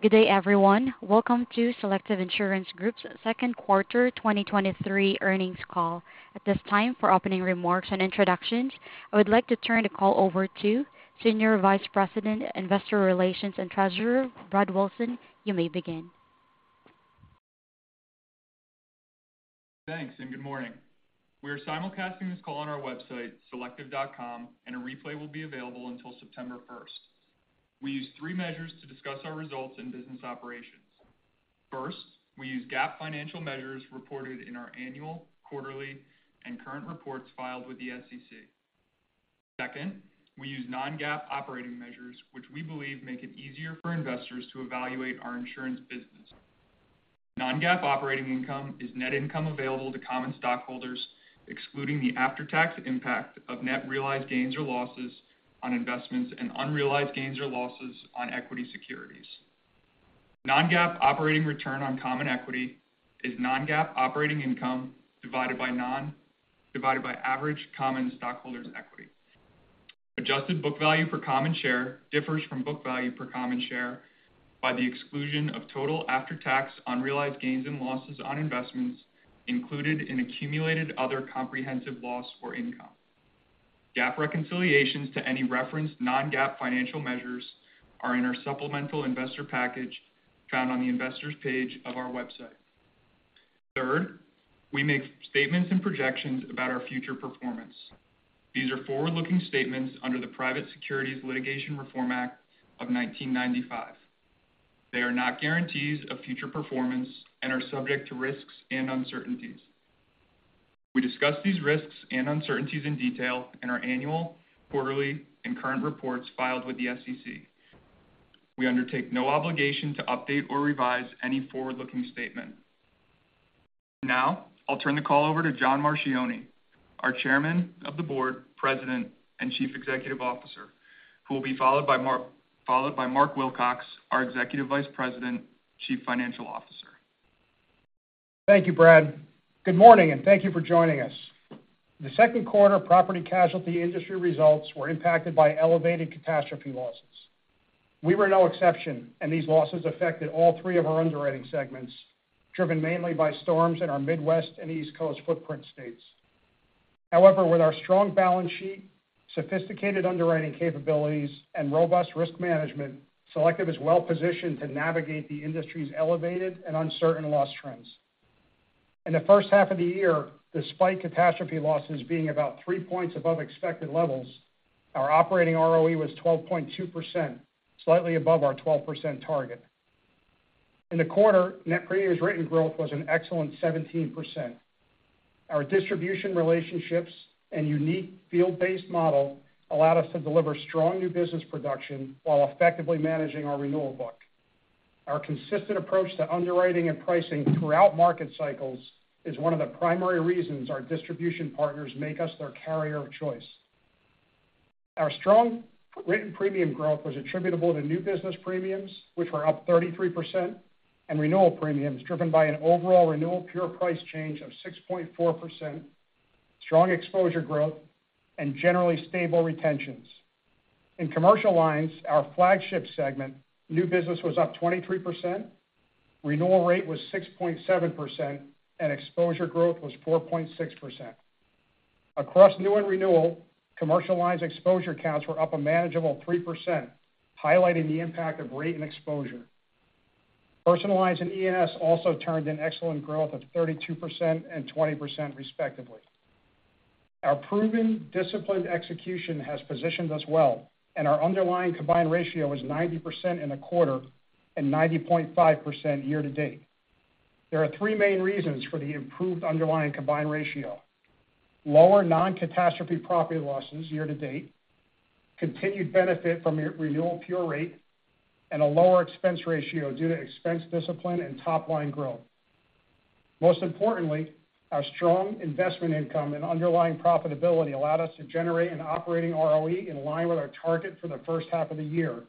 Good day, everyone. Welcome to Selective Insurance Group's second quarter 2023 earnings call. At this time, for opening remarks and introductions, I would like to turn the call over to Senior Vice President, Investor Relations and Treasurer, Brad Wilson. You may begin. Thanks, good morning. We are simulcasting this call on our website, selective.com, and a replay will be available until September first. We use 3 measures to discuss our results and business operations. First, we use GAAP financial measures reported in our annual, quarterly, and current reports filed with the SEC. Second, we use non-GAAP operating measures, which we believe make it easier for investors to evaluate our insurance business. Non-GAAP operating income is net income available to common stockholders, excluding the after-tax impact of net realized gains or losses on investments and unrealized gains or losses on equity securities. Non-GAAP operating return on common equity is non-GAAP operating income, divided by average common stockholders' equity. Adjusted book value per common share differs from book value per common share by the exclusion of total after-tax unrealized gains and losses on investments included in accumulated other comprehensive loss or income. GAAP reconciliations to any referenced non-GAAP financial measures are in our supplemental investor package found on the Investors page of our website. Third, we make statements and projections about our future performance. These are forward-looking statements under the Private Securities Litigation Reform Act of 1995. They are not guarantees of future performance and are subject to risks and uncertainties. We discuss these risks and uncertainties in detail in our annual, quarterly, and current reports filed with the SEC. We undertake no obligation to update or revise any forward-looking statement. Now, I'll turn the call over to John Marchioni, our Chairman of the Board, President, and Chief Executive Officer, who will be followed by Mark Wilcox, our Executive Vice President, Chief Financial Officer. Thank you, Brad. Good morning, thank you for joining us. The second quarter property casualty industry results were impacted by elevated catastrophe losses. We were no exception, and these losses affected all 3 of our underwriting segments, driven mainly by storms in our Midwest and East Coast footprint states. However, with our strong balance sheet, sophisticated underwriting capabilities, and robust risk management, Selective is well positioned to navigate the industry's elevated and uncertain loss trends. In the first half of the year, despite catastrophe losses being about 3 points above expected levels, our operating ROE was 12.2%, slightly above our 12% target. In the quarter, net premiums written growth was an excellent 17%. Our distribution relationships and unique field-based model allowed us to deliver strong new business production while effectively managing our renewal book. Our consistent approach to underwriting and pricing throughout market cycles is one of the primary reasons our distribution partners make us their carrier of choice. Our strong written premium growth was attributable to new business premiums, which were up 33%, and renewal premiums, driven by an overall renewal pure price change of 6.4%, strong exposure growth, and generally stable retentions. In Commercial Lines, our flagship segment, new business was up 23%, renewal rate was 6.7%, and exposure growth was 4.6%. Across new and renewal, Commercial Lines exposure counts were up a manageable 3%, highlighting the impact of rate and exposure. Personal Lines and E&S also turned in excellent growth of 32% and 20%, respectively. Our proven, disciplined execution has positioned us well, and our underlying combined ratio is 90% in a quarter and 90.5% year-to-date. There are 3 main reasons for the improved underlying combined ratio: lower non-catastrophe property losses year-to-date, continued benefit from your renewal pure rate, and a lower expense ratio due to expense discipline and top-line growth. Most importantly, our strong investment income and underlying profitability allowed us to generate an operating ROE in line with our target for the first half of the year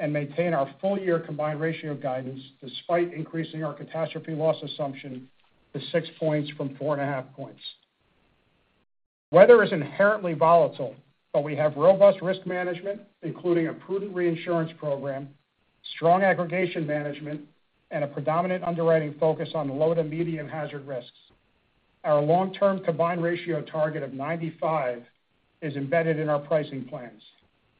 and maintain our full-year combined ratio guidance, despite increasing our catastrophe loss assumption to 6 points from 4.5 points. Weather is inherently volatile, but we have robust risk management, including a prudent reinsurance program, strong aggregation management, and a predominant underwriting focus on low to medium hazard risks. Our long-term combined ratio target of 95 is embedded in our pricing plans.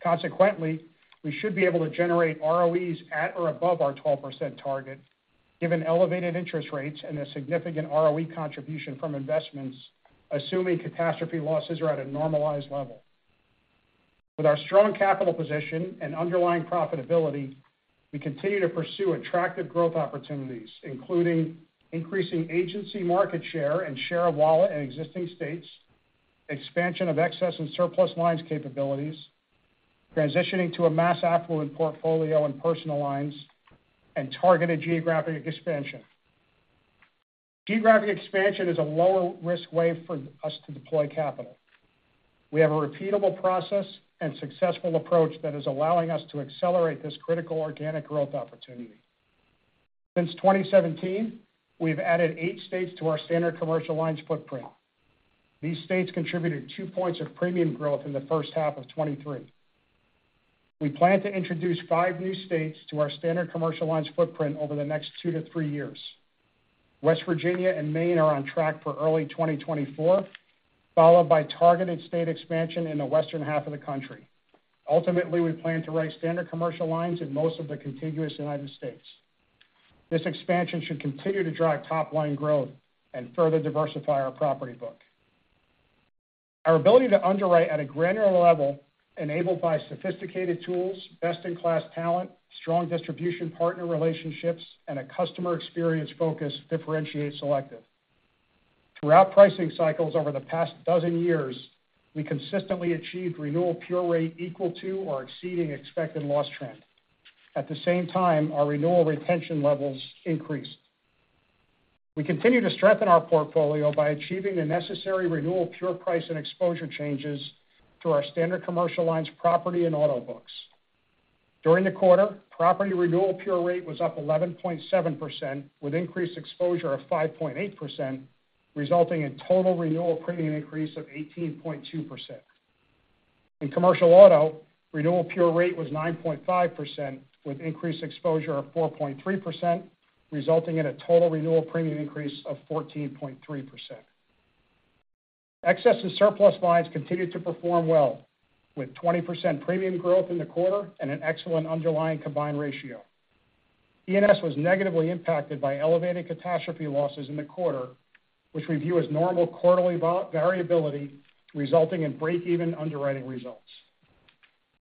Consequently, we should be able to generate ROEs at or above our 12% target, given elevated interest rates and a significant ROE contribution from investments, assuming catastrophe losses are at a normalized level. With our strong capital position and underlying profitability, we continue to pursue attractive growth opportunities, including increasing agency market share and share of wallet in existing states, expansion of excess and surplus lines capabilities, transitioning to a mass affluent portfolio in personal lines, and targeted geographic expansion. Geographic expansion is a lower risk way for us to deploy capital. We have a repeatable process and successful approach that is allowing us to accelerate this critical organic growth opportunity. Since 2017, we've added 8 states to our standard commercial lines footprint. These states contributed 2 points of premium growth in the first half of 2023. We plan to introduce 5 new states to our standard Commercial Lines footprint over the next 2-3 years. West Virginia and Maine are on track for early 2024, followed by targeted state expansion in the western half of the country. Ultimately, we plan to write standard Commercial Lines in most of the contiguous United States. This expansion should continue to drive top-line growth and further diversify our property book. Our ability to underwrite at a granular level, enabled by sophisticated tools, best-in-class talent, strong distribution partner relationships, and a customer experience focus, differentiates Selective. Throughout pricing cycles over the past 12 years, we consistently achieved renewal pure rate equal to or exceeding expected loss trend. At the same time, our renewal retention levels increased. We continue to strengthen our portfolio by achieving the necessary renewal pure price and exposure changes to our standard Commercial Lines, property, and auto books. During the quarter, property renewal pure rate was up 11.7%, with increased exposure of 5.8%, resulting in total renewal premium increase of 18.2%. In commercial auto, renewal pure rate was 9.5%, with increased exposure of 4.3%, resulting in a total renewal premium increase of 14.3%. Excess and surplus lines continued to perform well, with 20% premium growth in the quarter and an excellent underlying combined ratio. E&S was negatively impacted by elevated catastrophe losses in the quarter, which we view as normal quarterly variability, resulting in break-even underwriting results.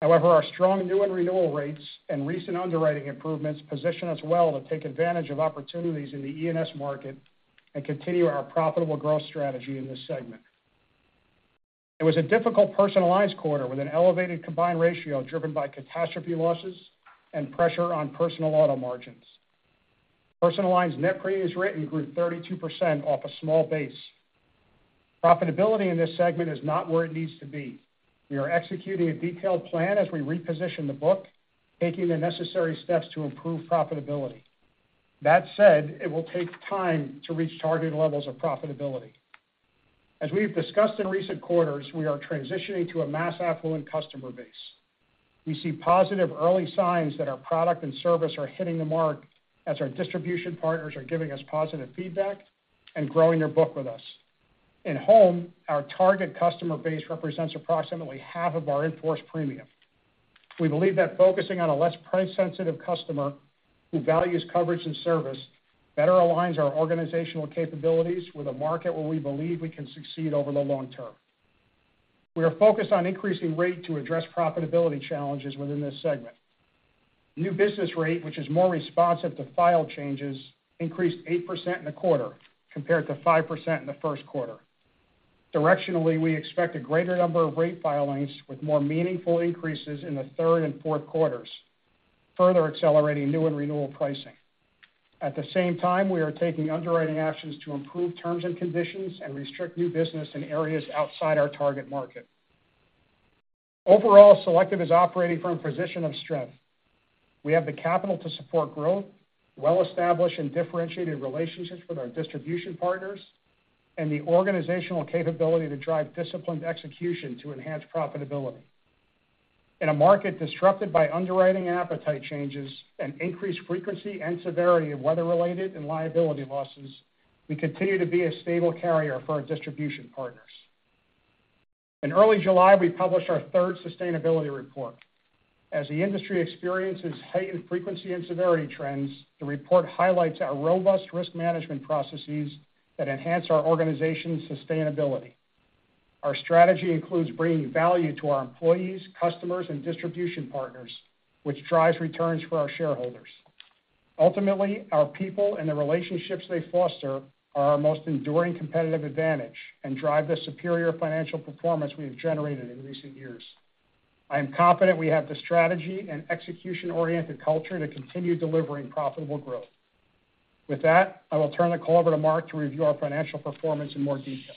However, our strong new and renewal rates and recent underwriting improvements position us well to take advantage of opportunities in the E&S market and continue our profitable growth strategy in this segment. It was a difficult personal lines quarter, with an elevated combined ratio driven by catastrophe losses and pressure on personal auto margins. Personal lines net premiums written grew 32% off a small base. Profitability in this segment is not where it needs to be. We are executing a detailed plan as we reposition the book, taking the necessary steps to improve profitability. That said, it will take time to reach targeted levels of profitability. As we've discussed in recent quarters, we are transitioning to a mass affluent customer base. We see positive early signs that our product and service are hitting the mark, as our distribution partners are giving us positive feedback and growing their book with us. In home, our target customer base represents approximately half of our in-force premium. We believe that focusing on a less price-sensitive customer, who values coverage and service, better aligns our organizational capabilities with a market where we believe we can succeed over the long term. We are focused on increasing rate to address profitability challenges within this segment. New business rate, which is more responsive to file changes, increased 8% in the quarter compared to 5% in the first quarter. Directionally, we expect a greater number of rate filings with more meaningful increases in the third and fourth quarters, further accelerating new and renewal pricing. At the same time, we are taking underwriting actions to improve terms and conditions and restrict new business in areas outside our target market. Overall, Selective is operating from a position of strength. We have the capital to support growth, well-established and differentiated relationships with our distribution partners, and the organizational capability to drive disciplined execution to enhance profitability. In a market disrupted by underwriting appetite changes and increased frequency and severity of weather-related and liability losses, we continue to be a stable carrier for our distribution partners. In early July, we published our third sustainability report. As the industry experiences heightened frequency and severity trends, the report highlights our robust risk management processes that enhance our organization's sustainability. Our strategy includes bringing value to our employees, customers, and distribution partners, which drives returns for our shareholders. Ultimately, our people and the relationships they foster are our most enduring competitive advantage and drive the superior financial performance we have generated in recent years. I am confident we have the strategy and execution-oriented culture to continue delivering profitable growth. With that, I will turn the call over to Mark to review our financial performance in more detail.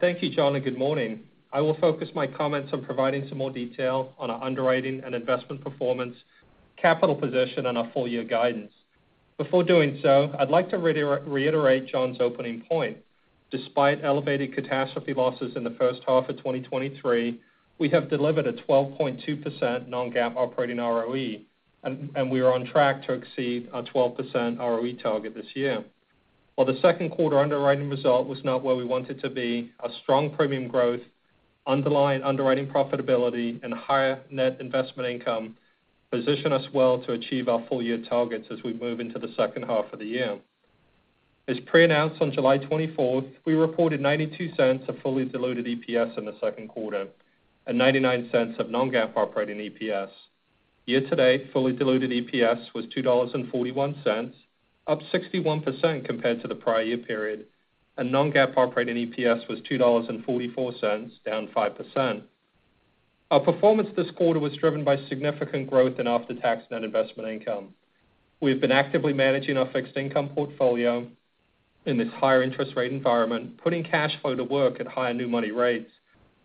Thank you, John, and good morning. I will focus my comments on providing some more detail on our underwriting and investment performance, capital position, and our full-year guidance. Before doing so, I'd like to reiterate John's opening point. Despite elevated catastrophe losses in the first half of 2023, we have delivered a 12.2% non-GAAP operating ROE, and, and we are on track to exceed our 12% ROE target this year. While the second quarter underwriting result was not where we wanted to be, a strong premium growth, underlying underwriting profitability, and higher net investment income position us well to achieve our full-year targets as we move into the second half of the year. As preannounced on July 24th, we reported $0.92 of fully diluted EPS in the second quarter and $0.99 of non-GAAP operating EPS. Year to date, fully diluted EPS was $2.41, up 61% compared to the prior year period, and non-GAAP operating EPS was $2.44, down 5%. Our performance this quarter was driven by significant growth in after-tax net investment income. We have been actively managing our fixed income portfolio in this higher interest rate environment, putting cash flow to work at higher new money rates,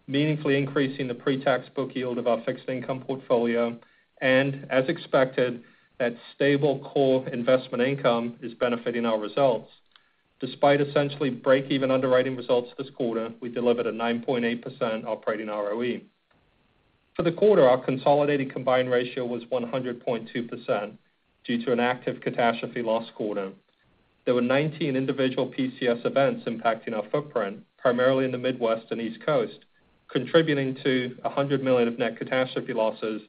meaningfully increasing the pre-tax book yield of our fixed income portfolio, and as expected, that stable core investment income is benefiting our results. Despite essentially break-even underwriting results this quarter, we delivered a 9.8% operating ROE. For the quarter, our consolidated combined ratio was 100.2% due to an active catastrophe loss quarter. There were 19 individual PCS events impacting our footprint, primarily in the Midwest and East Coast, contributing to $100 million of net catastrophe losses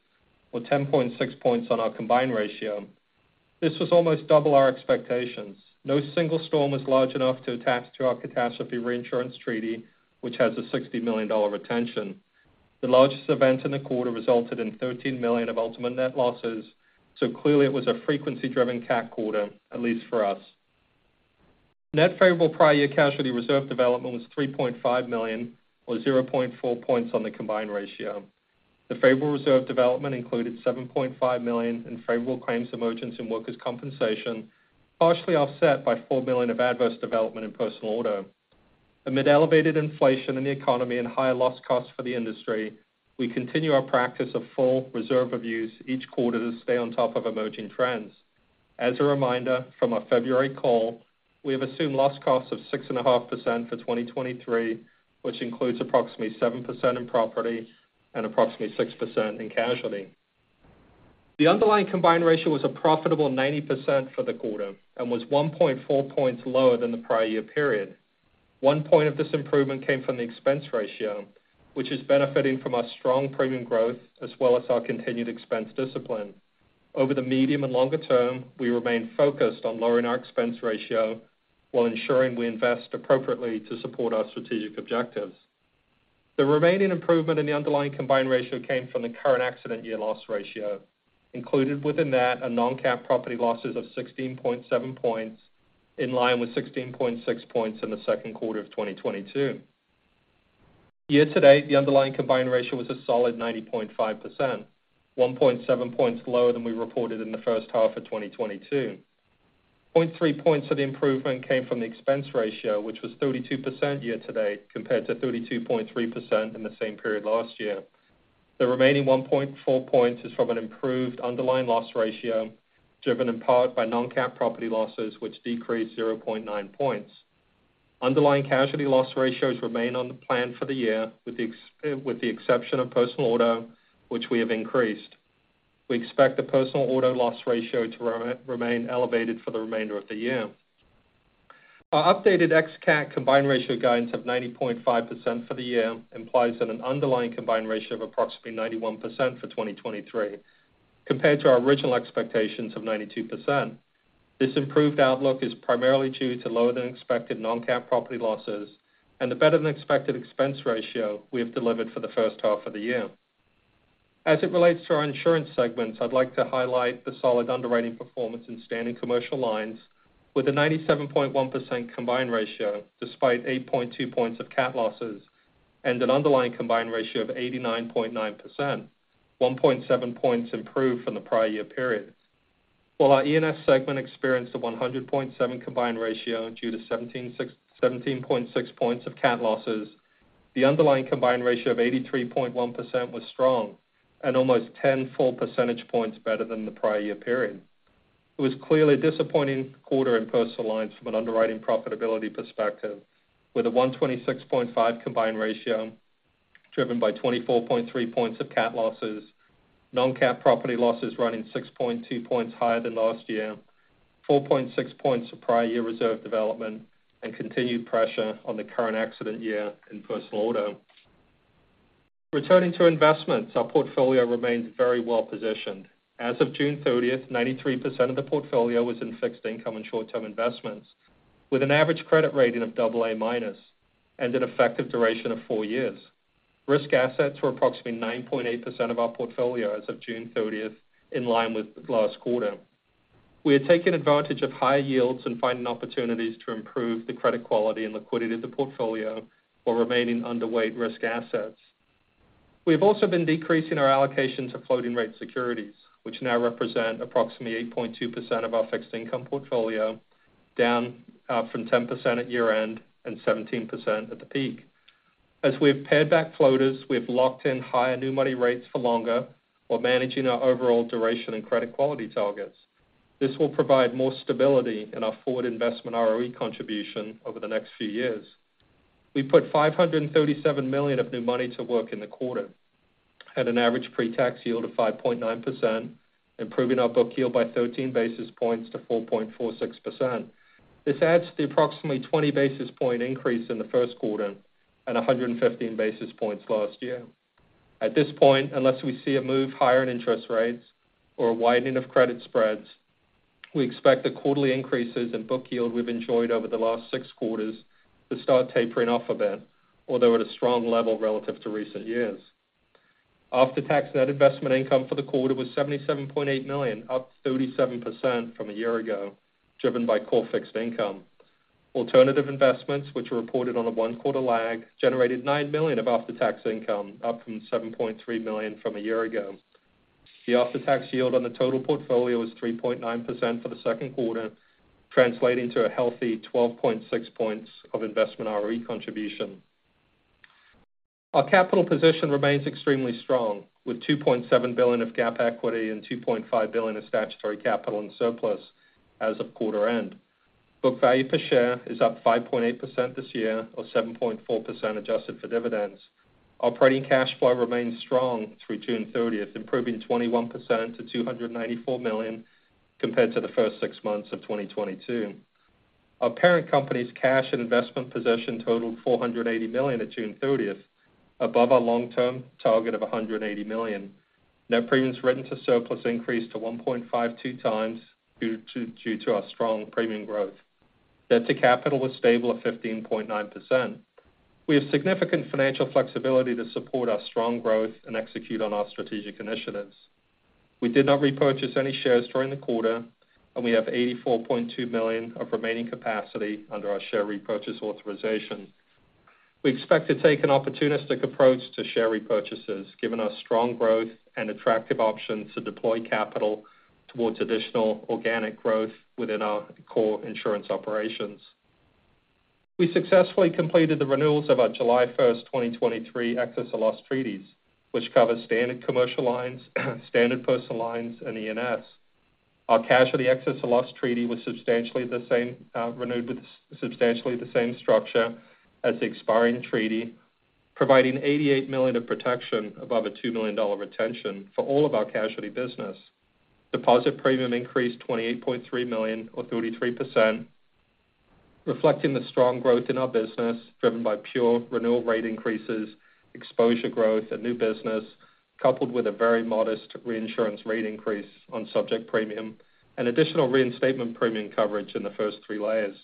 or 10.6 points on our combined ratio. This was almost double our expectations. No single storm was large enough to attach to our catastrophe reinsurance treaty, which has a $60 million retention. The largest event in the quarter resulted in $13 million of ultimate net losses, so clearly it was a frequency-driven cat quarter, at least for us. Net favorable prior year casualty reserve development was $3.5 million, or 0.4 points on the combined ratio. The favorable reserve development included $7.5 million in favorable claims emergence in workers' compensation, partially offset by $4 million of adverse development in personal auto. Amid elevated inflation in the economy and higher loss costs for the industry, we continue our practice of full reserve reviews each quarter to stay on top of emerging trends. As a reminder, from our February call, we have assumed loss costs of 6.5% for 2023, which includes approximately 7% in property and approximately 6% in casualty. The underlying combined ratio was a profitable 90% for the quarter and was 1.4 points lower than the prior year period. 1 point of this improvement came from the expense ratio, which is benefiting from our strong premium growth, as well as our continued expense discipline. Over the medium and longer term, we remain focused on lowering our expense ratio while ensuring we invest appropriately to support our strategic objectives. The remaining improvement in the underlying combined ratio came from the current accident year loss ratio, included within that are non-cat property losses of 16.7 points, in line with 16.6 points in the 2Q 2022. Year to date, the underlying combined ratio was a solid 90.5%, 1.7 points lower than we reported in the first half of 2022. 0.3 points of the improvement came from the expense ratio, which was 32% year to date, compared to 32.3% in the same period last year. The remaining 1.4 points is from an improved underlying loss ratio, driven in part by non-cat property losses, which decreased 0.9 points. Underlying casualty loss ratios remain on the plan for the year, with the exception of personal auto, which we have increased. We expect the personal auto loss ratio to remain elevated for the remainder of the year. Our updated ex cat combined ratio guidance of 90.5% for the year implies that an underlying combined ratio of approximately 91% for 2023, compared to our original expectations of 92%. This improved outlook is primarily due to lower than expected non-cat property losses and the better-than-expected expense ratio we have delivered for the first half of the year. As it relates to our insurance segments, I'd like to highlight the solid underwriting performance in standing Commercial Lines with a 97.1% combined ratio, despite 8.2 points of cat losses and an underlying combined ratio of 89.9%, 1.7 points improved from the prior year period. While our E&S segment experienced a 100.7 combined ratio due to 17.6 points of cat losses, the underlying combined ratio of 83.1% was strong and almost 10 full percentage points better than the prior year period. It was clearly a disappointing quarter in personal lines from an underwriting profitability perspective, with a 126.5 combined ratio, driven by 24.3 points of cat losses, non-cat property losses running 6.2 points higher than last year, 4.6 points of prior year reserve development, and continued pressure on the current accident year in personal auto. Returning to investments, our portfolio remains very well positioned. As of June 30th, 93% of the portfolio was in fixed income and short-term investments, with an average credit rating of double A-minus and an effective duration of 4 years. Risk assets were approximately 9.8% of our portfolio as of June 30th, in line with last quarter. We are taking advantage of higher yields and finding opportunities to improve the credit quality and liquidity of the portfolio while remaining underweight risk assets. We have also been decreasing our allocation to floating rate securities, which now represent approximately 8.2% of our fixed income portfolio, down from 10% at year-end and 17% at the peak. As we have pared back floaters, we have locked in higher new money rates for longer while managing our overall duration and credit quality targets. This will provide more stability in our forward investment ROE contribution over the next few years. We put $537 million of new money to work in the quarter at an average pre-tax yield of 5.9%, improving our book yield by 13 basis points to 4.46%. This adds to the approximately 20 basis point increase in the first quarter and 115 basis points last year. At this point, unless we see a move higher in interest rates or a widening of credit spreads, we expect the quarterly increases in book yield we've enjoyed over the last six quarters to start tapering off a bit, although at a strong level relative to recent years. After-tax net investment income for the quarter was $77.8 million, up 37% from a year ago, driven by core fixed income. Alternative investments, which are reported on a one-quarter lag, generated $9 million of after-tax income, up from $7.3 million from a year ago. The after-tax yield on the total portfolio is 3.9% for the second quarter, translating to a healthy 12.6 points of investment ROE contribution. Our capital position remains extremely strong, with $2.7 billion of GAAP equity and $2.5 billion of statutory capital and surplus as of quarter end. Book value per share is up 5.8% this year or 7.4% adjusted for dividends. Operating cash flow remains strong through June 30th, improving 21% to $294 million compared to the first 6 months of 2022. Our parent company's cash and investment position totaled $480 million at June 30th, above our long-term target of $180 million. Net premiums written to surplus increased to 1.52 times, due to our strong premium growth. Debt to capital was stable at 15.9%. We have significant financial flexibility to support our strong growth and execute on our strategic initiatives. We did not repurchase any shares during the quarter, and we have $84.2 million of remaining capacity under our share repurchase authorization. We expect to take an opportunistic approach to share repurchases, given our strong growth and attractive options to deploy capital towards additional organic growth within our core insurance operations. We successfully completed the renewals of our July 1, 2023 excess of loss treaties, which cover standard Commercial Lines, standard personal lines, and E&S. Our casualty excess of loss treaty was substantially the same, renewed with substantially the same structure as the expiring treaty, providing $88 million of protection above a $2 million retention for all of our casualty business. Deposit premium increased $28.3 million or 33%, reflecting the strong growth in our business, driven by pure renewal rate increases, exposure growth and new business, coupled with a very modest reinsurance rate increase on subject premium and additional reinstatement premium coverage in the first three layers.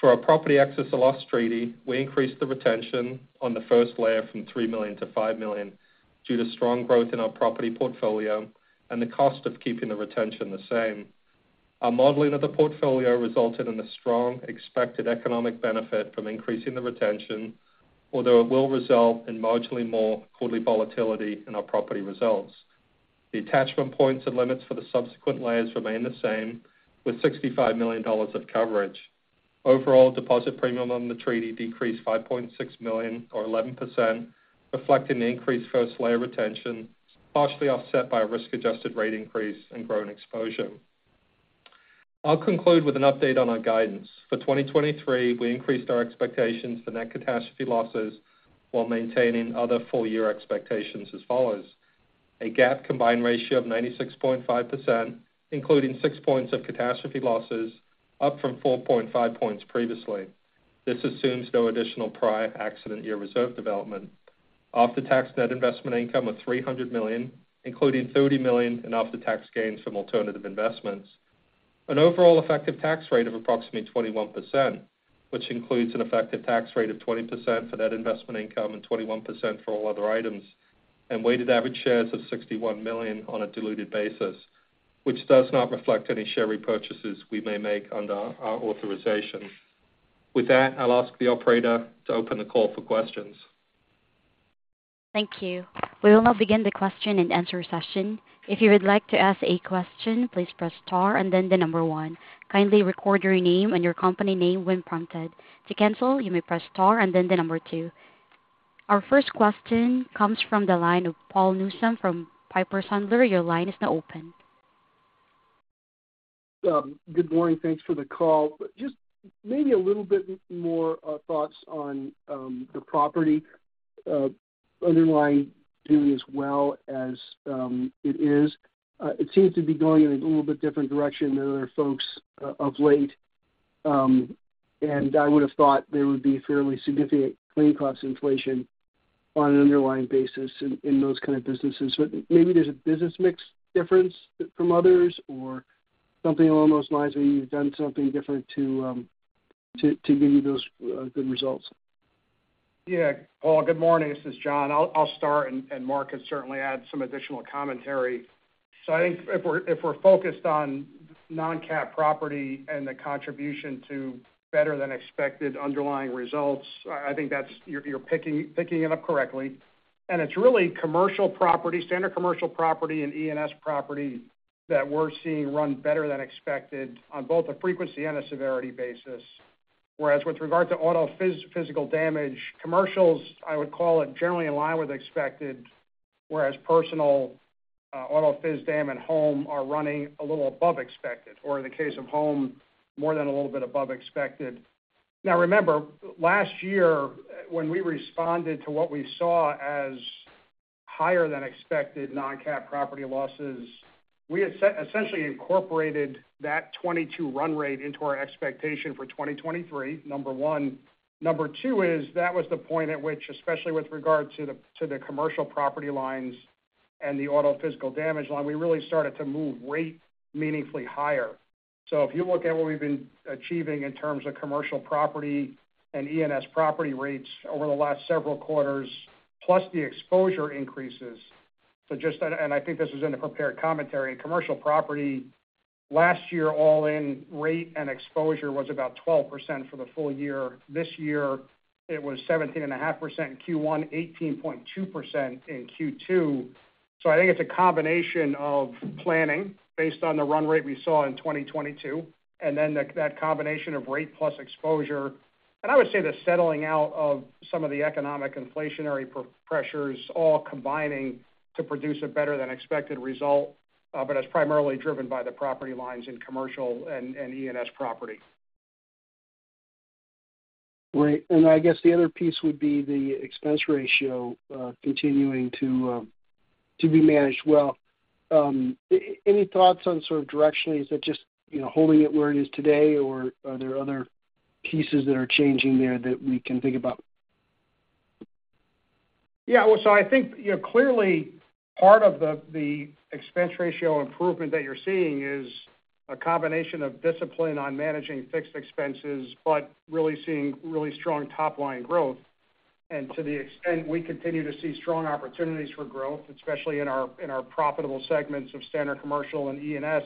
For our property excess of loss treaty, we increased the retention on the first layer from $3 million to $5 million due to strong growth in our property portfolio and the cost of keeping the retention the same. Our modeling of the portfolio resulted in a strong expected economic benefit from increasing the retention, although it will result in marginally more quarterly volatility in our property results. The attachment points and limits for the subsequent layers remain the same, with $65 million of coverage. Overall, deposit premium on the treaty decreased $5.6 million or 11%, reflecting the increased first layer retention, partially offset by a risk-adjusted rate increase and grown exposure. I'll conclude with an update on our guidance. For 2023, we increased our expectations for net catastrophe losses while maintaining other full-year expectations as follows: A GAAP combined ratio of 96.5%, including six points of catastrophe losses, up from 4.5 points previously. This assumes no additional prior accident year reserve development. After-tax net investment income of $300 million, including $30 million in after-tax gains from alternative investments. An overall effective tax rate of approximately 21%, which includes an effective tax rate of 20% for net investment income and 21% for all other items, and weighted average shares of 61 million on a diluted basis, which does not reflect any share repurchases we may make under our authorization. With that, I'll ask the operator to open the call for questions. Thank you. We will now begin the question-and-answer session. If you would like to ask a question, please press Star and then 1. Kindly record your name and your company name when prompted. To cancel, you may press Star and then 2. Our first question comes from the line of Paul Newsome from Piper Sandler. Your line is now open. Good morning. Thanks for the call. Just maybe a little bit more thoughts on the property underlying doing as well as it is. It seems to be going in a little bit different direction than other folks of late, I would have thought there would be fairly significant claim cost inflation on an underlying basis in, in those kind of businesses. Maybe there's a business mix difference from others or something along those lines, where you've done something different to to give you those good results? Yeah. Paul, good morning. This is John. I'll, I'll start, Mark can certainly add some additional commentary. I think if we're, if we're focused on non-cat property and the contribution to better-than-expected underlying results, I, I think that's... You're, you're picking, picking it up correctly. It's really commercial property, standard commercial property and E&S property, that we're seeing run better than expected on both a frequency and a severity basis. Whereas with regard to auto phys-physical damage, commercials, I would call it generally in line with expected, whereas personal auto phys dam and home are running a little above expected, or in the case of home, more than a little bit above expected. Now, remember, last year, when we responded to what we saw as higher-than-expected non-cat property losses, we essentially incorporated that 22 run rate into our expectation for 2023, number one. Number two is, that was the point at which, especially with regard to the, to the commercial property lines and the auto physical damage line, we really started to move rate meaningfully higher. If you look at what we've been achieving in terms of commercial property and E&S property rates over the last several quarters, plus the exposure increases, and I think this is in the prepared commentary, commercial property ...Last year, all in rate and exposure was about 12% for the full year. This year, it was 17.5% in Q1, 18.2% in Q2. I think it's a combination of planning based on the run rate we saw in 2022, and then the, that combination of rate plus exposure. I would say the settling out of some of the economic inflationary pro- pressures, all combining to produce a better than expected result, but it's primarily driven by the property lines in commercial and, and E&S property. Right. I guess the other piece would be the expense ratio, continuing to be managed well. Any thoughts on sort of directionally, is it just, you know, holding it where it is today? Or are there other pieces that are changing there that we can think about? Yeah, well, I think, you know, clearly part of the, the expense ratio improvement that you're seeing is a combination of discipline on managing fixed expenses, but really seeing really strong top line growth. To the extent we continue to see strong opportunities for growth, especially in our, in our profitable segments of standard commercial and E&S,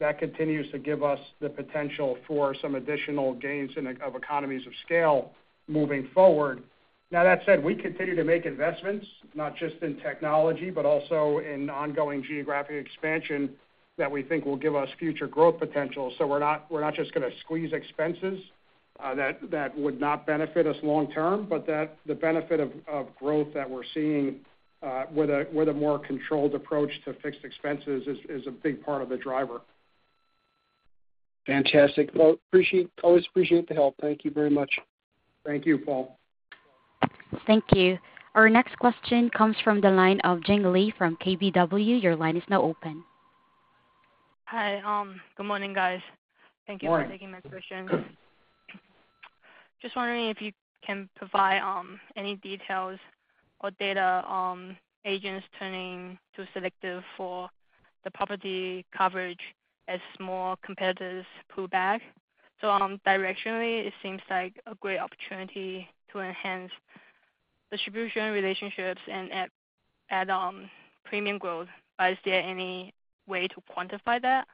that continues to give us the potential for some additional gains in e- of economies of scale moving forward. That said, we continue to make investments, not just in technology, but also in ongoing geographic expansion that we think will give us future growth potential. we're not, we're not just gonna squeeze expenses, that, that would not benefit us long term, but that the benefit of, of growth that we're seeing, with a, with a more controlled approach to fixed expenses is, is a big part of the driver. Fantastic. Well, appreciate. Always appreciate the help. Thank you very much. Thank you, Paul. Thank you. Our next question comes from the line of Jing Li from KBW. Your line is now open. Hi, good morning, guys. Good morning. Thank you for taking my question. Just wondering if you can provide, any details or data on agents turning to Selective for the property coverage as more competitors pull back. Directionally, it seems like a great opportunity to enhance distribution relationships and add, add, premium growth. Is there any way to quantify that?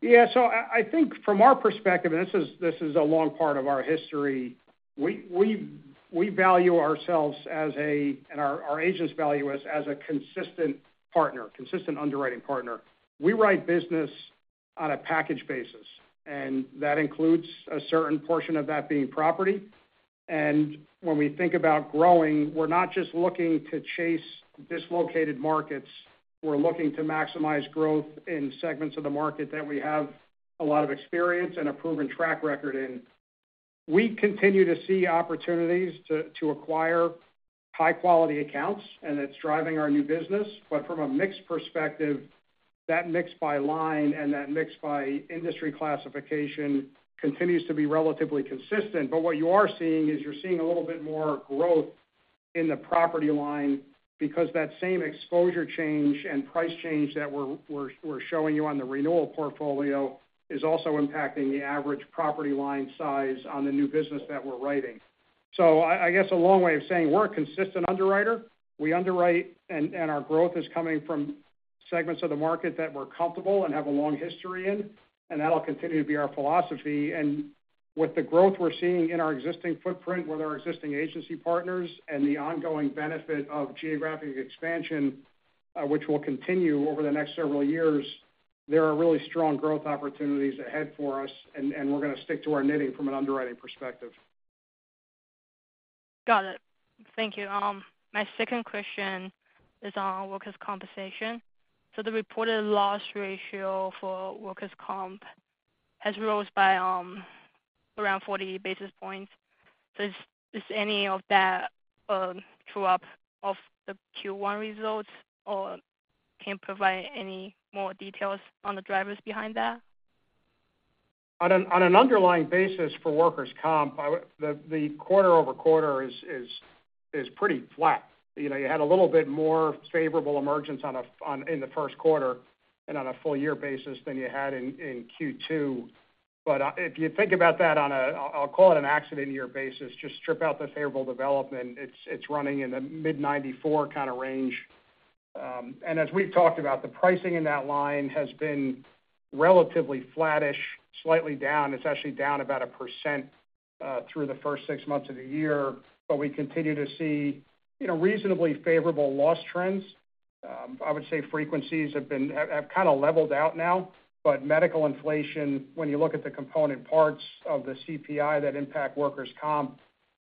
Yeah, so I, I think from our perspective, and this is, this is a long part of our history, we, we, we value ourselves as a, and our, our agents value us as a consistent partner, consistent underwriting partner. We write business on a package basis, and that includes a certain portion of that being property. When we think about growing, we're not just looking to chase dislocated markets, we're looking to maximize growth in segments of the market that we have a lot of experience and a proven track record in. We continue to see opportunities to, to acquire high-quality accounts, and it's driving our new business. From a mix perspective, that mix by line and that mix by industry classification continues to be relatively consistent. What you are seeing is you're seeing a little bit more growth in the property line because that same exposure change and price change that we're showing you on the renewal portfolio is also impacting the average property line size on the new business that we're writing. I guess, a long way of saying we're a consistent underwriter. We underwrite, and our growth is coming from segments of the market that we're comfortable and have a long history in, and that'll continue to be our philosophy. With the growth we're seeing in our existing footprint, with our existing agency partners and the ongoing benefit of geographic expansion, which will continue over the next several years, there are really strong growth opportunities ahead for us, and we're gonna stick to our knitting from an underwriting perspective. Got it. Thank you. My second question is on workers' compensation. The reported loss ratio for workers' comp has rose by around 40 basis points. Is any of that true up of the Q1 results, or can you provide any more details on the drivers behind that? On an underlying basis for workers' comp, I would, the quarter-over-quarter is pretty flat. You know, you had a little bit more favorable emergence in the first quarter and on a full year basis than you had in Q2. If you think about that on a, I'll call it an accident year basis, just strip out the favorable development, it's running in the mid-94 kind of range. As we've talked about, the pricing in that line has been relatively flattish, slightly down. It's actually down about 1% through the first six months of the year. We continue to see, you know, reasonably favorable loss trends. I would say frequencies have been, have kind of leveled out now. Medical inflation, when you look at the component parts of the CPI that impact workers' comp,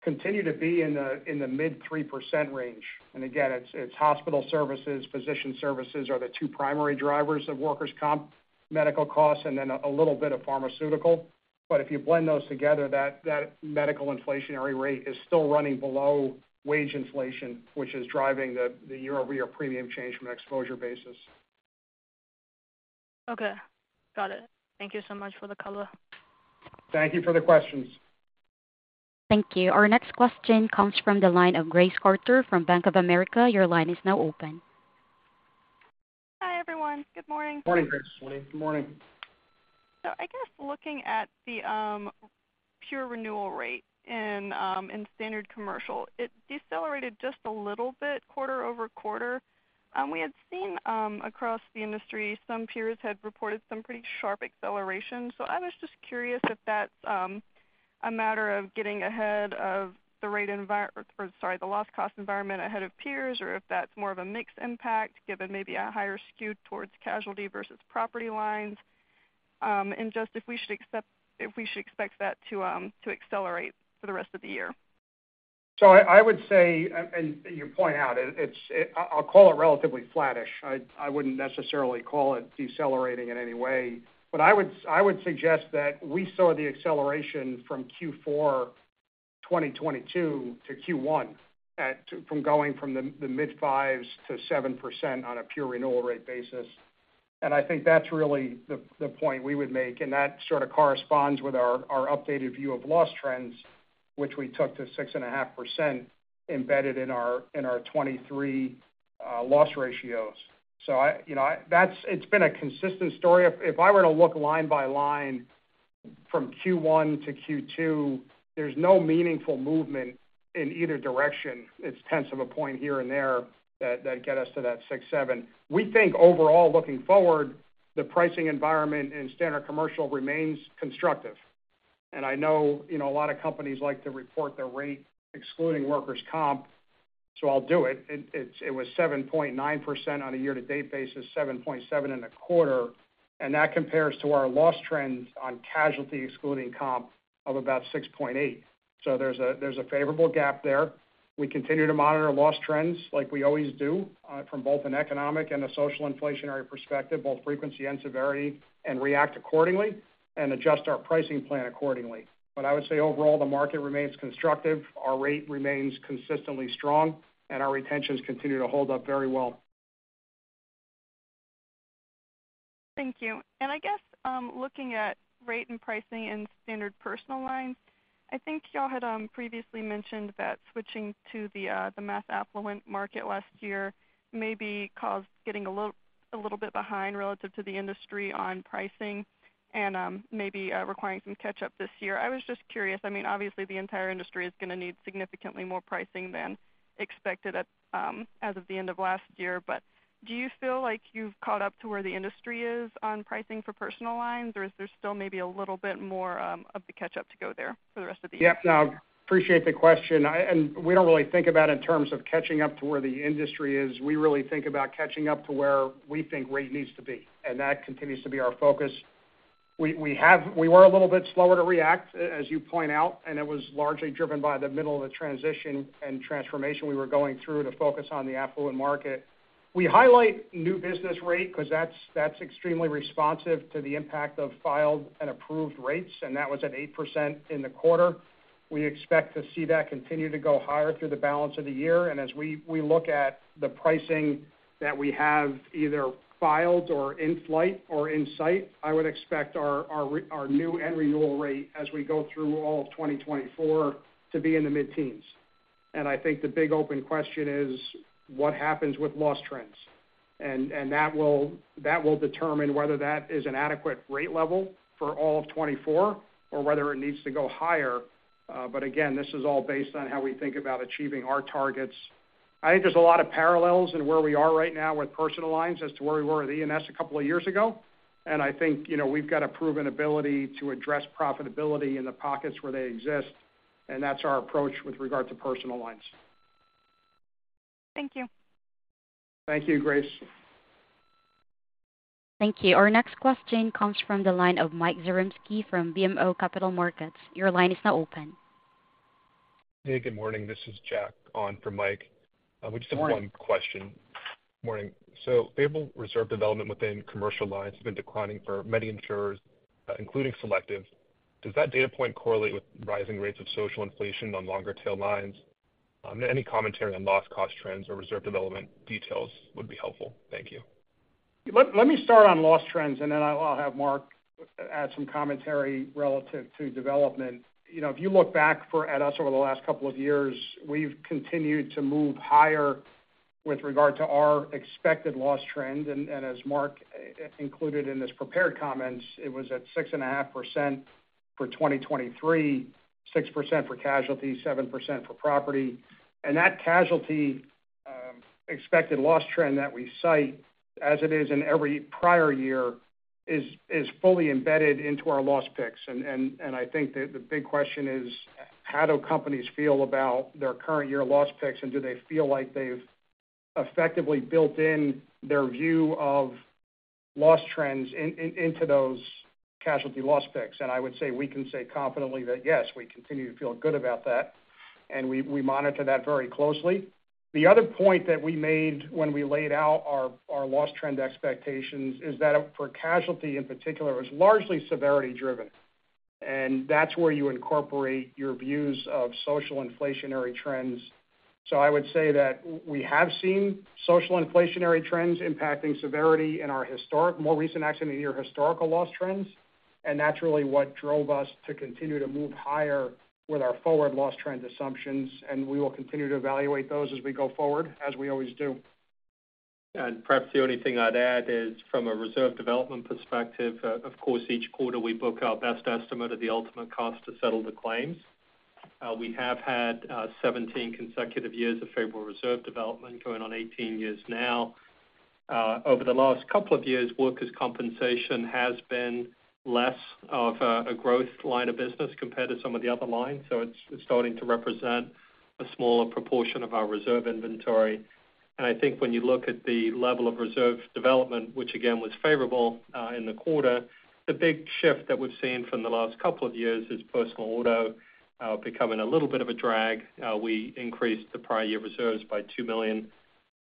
continue to be in the mid 3% range. Again, it's hospital services, physician services are the two primary drivers of workers' comp medical costs, and then a little bit of pharmaceutical. If you blend those together, that medical inflationary rate is still running below wage inflation, which is driving the year-over-year premium change from an exposure basis. Okay, got it. Thank you so much for the color. Thank you for the questions. Thank you. Our next question comes from the line of Grace Carter from Bank of America. Your line is now open. Hi, everyone. Good morning. Morning, Grace. Good morning. I guess looking at the pure renewal rate in standard commercial, it decelerated just a little bit quarter-over-quarter. We had seen, across the industry, some peers had reported some pretty sharp acceleration. I was just curious if that's a matter of getting ahead of the rate environment or sorry, the loss cost environment ahead of peers, or if that's more of a mixed impact, given maybe a higher skew towards casualty versus property lines. Just if we should expect that to accelerate for the rest of the year. I would say, and you point out, it's, I'll call it relatively flattish. I wouldn't necessarily call it decelerating in any way. I would suggest that we saw the acceleration from Q4 2022 to Q1, from going from the mid fives to 7% on a pure renewal rate basis. I think that's really the point we would make, and that sort of corresponds with our updated view of loss trends, which we took to 6.5% embedded in our 2023 loss ratios. I, you know, that's, it's been a consistent story. If I were to look line by line from Q1 to Q2, there's no meaningful movement in either direction. It's tenths of a point here and there that, that get us to that 6, 7. We think overall, looking forward, the pricing environment in standard commercial remains constructive. I know, you know, a lot of companies like to report their rate excluding workers' comp, so I'll do it. It was 7.9% on a year-to-date basis, 7.7% in a quarter, and that compares to our loss trends on casualty, excluding comp, of about 6.8. There's a, there's a favorable gap there. We continue to monitor loss trends like we always do, from both an economic and a social inflationary perspective, both frequency and severity, and react accordingly, and adjust our pricing plan accordingly. I would say overall, the market remains constructive, our rate remains consistently strong, and our retentions continue to hold up very well. Thank you. I guess, looking at rate and pricing in standard personal lines, I think y'all had previously mentioned that switching to the mass affluent market last year maybe caused getting a little, a little bit behind relative to the industry on pricing and maybe requiring some catch-up this year. I was just curious, I mean, obviously, the entire industry is going to need significantly more pricing than expected at as of the end of last year. Do you feel like you've caught up to where the industry is on pricing for personal lines, or is there still maybe a little bit more of the catch-up to go there for the rest of the year? Yep. No, appreciate the question. We don't really think about in terms of catching up to where the industry is. We really think about catching up to where we think rate needs to be. That continues to be our focus. We were a little bit slower to react, as you point out. It was largely driven by the middle of the transition and transformation we were going through to focus on the affluent market. We highlight new business rate because that's extremely responsive to the impact of filed and approved rates. That was at 8% in the quarter. We expect to see that continue to go higher through the balance of the year. As we look at the pricing that we have either filed or in flight or in sight, I would expect our new and renewal rate as we go through all of 2024 to be in the mid-teens. I think the big open question is: What happens with loss trends? That will determine whether that is an adequate rate level for all of 2024 or whether it needs to go higher. Again, this is all based on how we think about achieving our targets. I think there's a lot of parallels in where we are right now with personal lines as to where we were with E&S a couple of years ago. I think, you know, we've got a proven ability to address profitability in the pockets where they exist, and that's our approach with regard to personal lines. Thank you. Thank you, Grace. Thank you. Our next question comes from the line of Mike Zaremski from BMO Capital Markets. Your line is now open. Hey, good morning. This is Jack on for Mike. Good morning. We just have one question. Morning. Favorable reserve development within Commercial Lines has been declining for many insurers, including Selective. Does that data point correlate with rising rates of social inflation on longer tail lines? Any commentary on loss cost trends or reserve development details would be helpful. Thank you. Let me start on loss trends, then I'll have Mark add some commentary relative to development. You know, if you look back at us over the last couple of years, we've continued to move higher with regard to our expected loss trend. As Mark included in his prepared comments, it was at 6.5% for 2023, 6% for casualty, 7% for property. That casualty expected loss trend that we cite, as it is in every prior year, is fully embedded into our loss picks. I think the big question is: How do companies feel about their current year loss picks, and do they feel like they've effectively built in their view of loss trends into those casualty loss picks? I would say, we can say confidently that, yes, we continue to feel good about that, and we, we monitor that very closely. The other point that we made when we laid out our, our loss trend expectations is that for casualty, in particular, it was largely severity driven, and that's where you incorporate your views of social inflationary trends. I would say that we have seen social inflationary trends impacting severity in our historic, more recent accident, year historical loss trends, and that's really what drove us to continue to move higher with our forward loss trend assumptions, and we will continue to evaluate those as we go forward, as we always do. Perhaps the only thing I'd add is from a reserve development perspective, of course, each quarter we book our best estimate of the ultimate cost to settle the claims. We have had 17 consecutive years of favorable reserve development, going on 18 years now. Over the last couple of years, workers' compensation has been less of a, a growth line of business compared to some of the other lines, so it's starting to represent a smaller proportion of our reserve inventory. I think when you look at the level of reserve development, which again was favorable in the quarter, the big shift that we've seen from the last couple of years is personal auto, becoming a little bit of a drag. We increased the prior year reserves by $2 million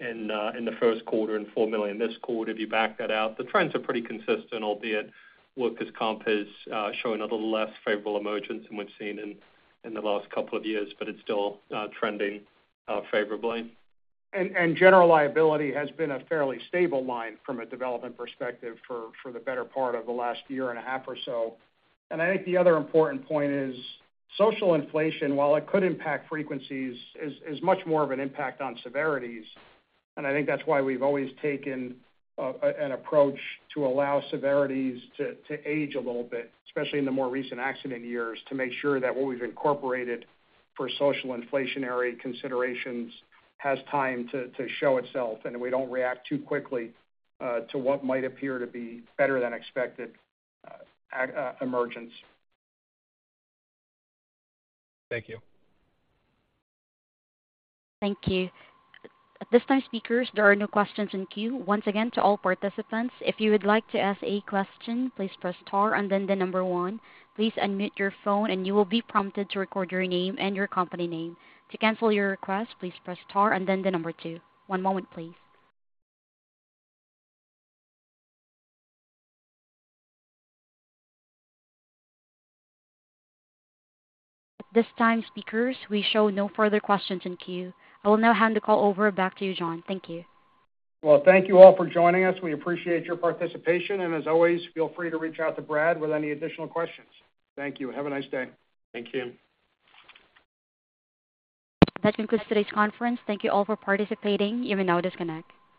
in the first quarter and $4 million this quarter. If you back that out, the trends are pretty consistent, albeit workers' comp is showing a little less favorable emergence than we've seen in the last couple of years, but it's still trending favorably. General liability has been a fairly stable line from a development perspective for the better part of the last year and a half or so. I think the other important point is social inflation, while it could impact frequencies, is much more of an impact on severities. I think that's why we've always taken an approach to allow severities to age a little bit, especially in the more recent accident years, to make sure that what we've incorporated for social inflationary considerations has time to show itself, and we don't react too quickly to what might appear to be better than expected emergence. Thank you. Thank you. At this time, speakers, there are no questions in queue. Once again, to all participants, if you would like to ask a question, please press star and then the number 1. Please unmute your phone, and you will be prompted to record your name and your company name. To cancel your request, please press star and then the number 2. One moment, please. At this time, speakers, we show no further questions in queue. I will now hand the call over back to you, John. Thank you. Well, thank you all for joining us. We appreciate your participation, and as always, feel free to reach out to Brad with any additional questions. Thank you. Have a nice day. Thank you. That concludes today's conference. Thank you all for participating. You may now disconnect.